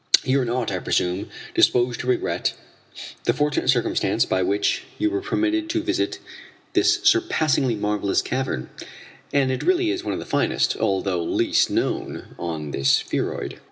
"You are not, I presume, disposed to regret the fortunate circumstance by which you were permitted to visit this surpassingly marvellous cavern and it really is one of the finest, although the least known on this spheroid."